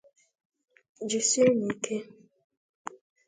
Jisienụ ike.